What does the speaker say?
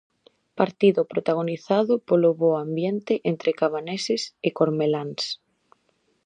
Partido protagonizado polo bo ambiente entre cabaneses e cormeláns.